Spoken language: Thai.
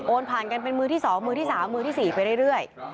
ผ่านกันเป็นมือที่๒มือที่๓มือที่๔ไปเรื่อย